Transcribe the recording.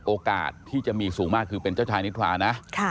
โอกาสที่จะมีสูงมากคือเป็นเจ้าชายนิทรานะ